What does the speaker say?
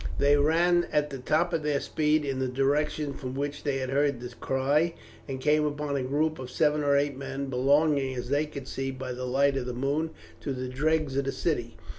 They ran at the top of their speed in the direction from which they had heard the cry, and came upon a group of seven or eight men, belonging, as they could see by the light of the moon, to the dregs of the city.